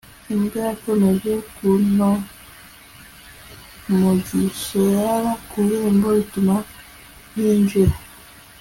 imbwa yakomeje kuntonmugishaera ku irembo, bituma ntinjira